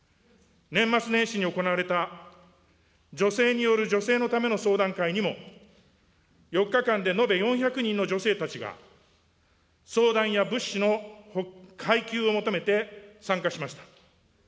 年末年始に行われた女性による女性のための相談会にも、４日間で延べ４００人の女性たちが、相談や物資の配給を求めて参加しました。